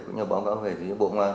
cũng như báo cáo về bộ công an